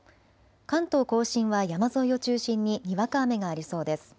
関東甲信は山沿いを中心ににわか雨がありそうです。